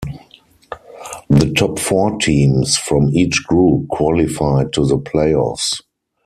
The top four teams from each group qualified to the play-offs.